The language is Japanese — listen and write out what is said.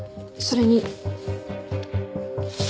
それに。